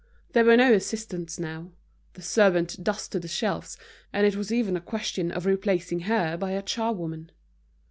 There were no assistants now. The servant dusted the shelves, and it was even a question of replacing her by a charwoman.